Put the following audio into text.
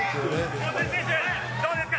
大谷選手、どうですか？